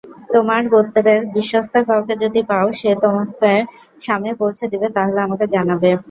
তোমার গোত্রের বিশ্বস্ত কাউকে যদি পাও যে তোমাকে শামে পৌঁছে দিবে তাহলে আমাকে জানাবে।